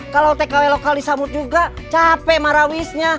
kalau tkw lokal disambut juga capek marawisnya